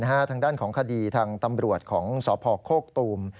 ทางด้านของคดีทางตำรวจของสพโคกตูม